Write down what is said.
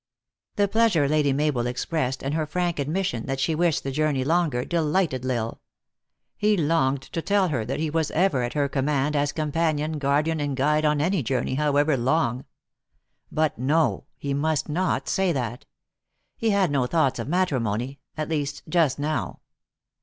The pleasure Lady Mabel expressed, and her frank admission that she wished the journey longer, delight ed L Isle. He longed to tell her that he was ever at her command as companion, guardian, and guide on any journey, however long. But no he must not say that. He had no thoughts of matrimony at least, just now.